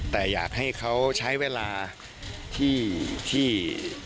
แต่อยากให้เขาใช้เวลาที่